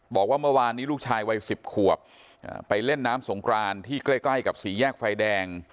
บอกว่าเมื่อวานนี้ลูกชายวัย๑๐ขวบไปเล่นน้ำสงครานที่ใกล้กับสี่แยกไฟแดง